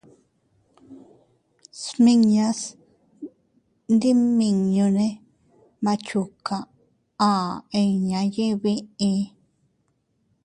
Smiñas ndimiñunne «Machuca» aʼa inña yiʼi biʼi.